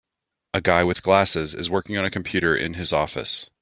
A guy with glasses is working on a computer in his office.